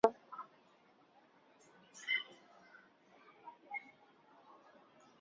此场地禁止吸烟。